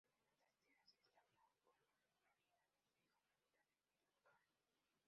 En estas tierras se instaló un molino de trigo, el Molino de Miraflores.